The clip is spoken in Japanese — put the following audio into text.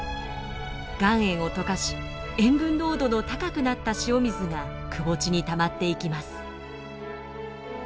岩塩を溶かし塩分濃度の高くなった塩水がくぼ地にたまっていきます。